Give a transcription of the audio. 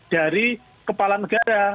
dari kepala negara